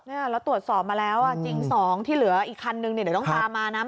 แล้วตรวจสอบมาแล้วจริง๒ที่เหลืออีกคันนึงเนี่ยเดี๋ยวต้องตามมานะ